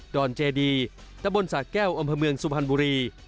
อนเจดีตะบนสาแก้วอำเภอเมืองสุพรรณบุรี